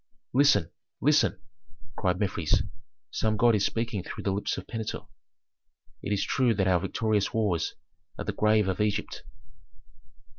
"Listen! listen!" cried Mefres, "some god is speaking through the lips of Pentuer. It is true that our victorious wars are the grave of Egypt."